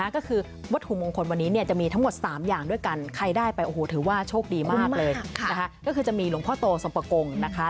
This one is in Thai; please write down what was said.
ก็ได้เหมือนกันอันนี้เป็นวิธีการแก้เคล็ดนะ